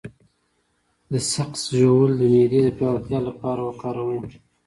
د سقز ژوول د معدې د پیاوړتیا لپاره وکاروئ